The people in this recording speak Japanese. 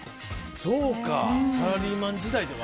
そうかサラリーマン時代では。